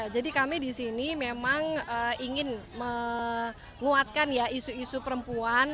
jadi kami di sini memang ingin menguatkan isu isu perempuan